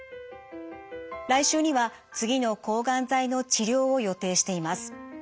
来週には次の抗がん剤の治療を予定しています。